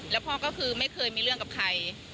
แล้วพ่อก็คือไม่เคยมีเรื่องกับใคร